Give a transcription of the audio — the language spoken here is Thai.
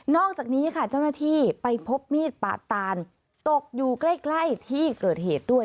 อกจากนี้ค่ะเจ้าหน้าที่ไปพบมีดปาดตานตกอยู่ใกล้ที่เกิดเหตุด้วย